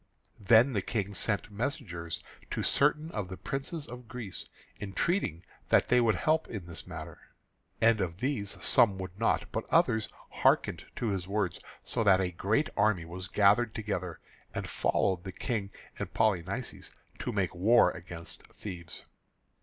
Then the King sent messengers to certain of the princes of Greece, entreating that they would help in this matter. And of these some would not, but others hearkened to his words, so that a great army was gathered together and followed the King and Polynices to make war against Thebes.